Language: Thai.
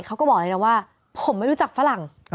เขาบอกเลยนะว่าผมไม่รู้จักฝรั่ง